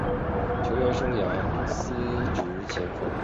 球员生涯司职前锋。